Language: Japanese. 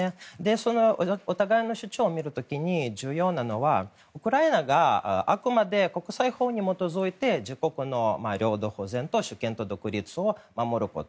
そのお互いの主張を見る時に重要なのは、ウクライナがあくまで国際法に基づいて自国の領土保全と主権と独立を守ること。